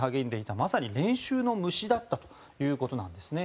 まさに練習の虫だったということなんですね。